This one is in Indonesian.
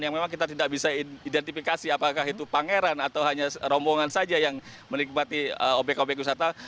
yang memang kita tidak bisa identifikasi apakah itu pangeran atau hanya rombongan saja yang menikmati obyek obyek wisata